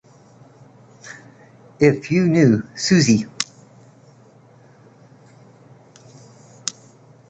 If You Knew Suzi...